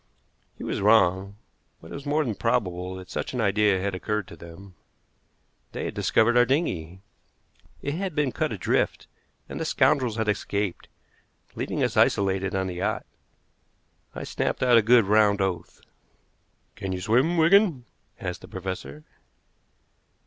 He was wrong, but it was more than probable that such an idea had occurred to them. They had discovered our dinghy! It had been cut adrift, and the scoundrels had escaped, leaving us isolated on the yacht. I snapped out a good round oath. "Can you swim, Wigan?" asked the professor.